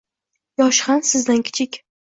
Yoshi ham sizdan kichik